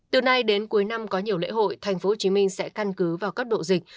từ nay đến cuối năm có nhiều lễ hội tp hcm sẽ căn cứ vào các độ dịch